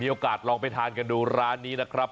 ลองไปทานกันดูร้านนี้นะครับ